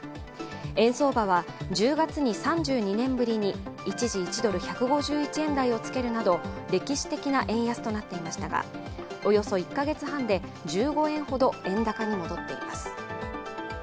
円相場は、１０月に３２年ぶりに一時１ドル＝１５１円台をつけるなど歴史的な円安となっていましたがおよそ１か月半で１５円ほど円高に戻っています。